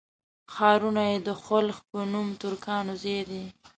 ښارونه یې د خلُخ په نوم ترکانو ځای دی.